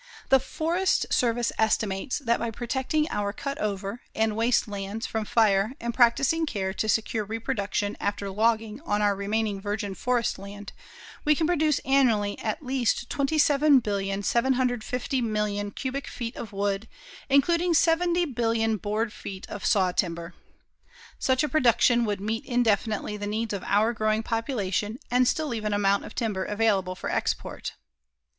The Forest Service estimates that by protecting our cut over and waste lands from fire and practicing care to secure reproduction after logging on our remaining virgin forest land, we can produce annually at least 27,750,000,000 cubic feet of wood, including 70,000,000,000 board feet of sawtimber. Such a production would meet indefinitely the needs of our growing population, and still leave an amount of timber available for export.